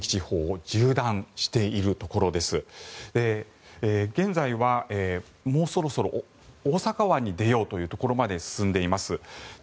そして近畿地方を北上しているところでもうそろそろ大阪湾に出ようというところまで進んでいます。